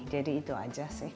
jadi itu aja sih